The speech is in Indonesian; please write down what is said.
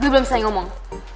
gue belum selesai ngomong